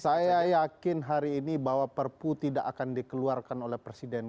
saya yakin hari ini bahwa perpu tidak akan dikeluarkan oleh presiden